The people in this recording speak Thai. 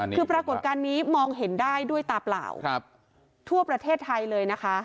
คือปรากฏการณ์นี้มองเห็นได้ด้วยตาเปล่าทั่วประเทศไทยเลยนะคะ